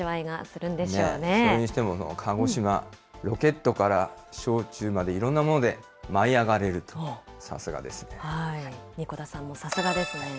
それにしても鹿児島、ロケットから焼酎までいろんなもので舞いあがれると、さすがです神子田さんもさすがですね。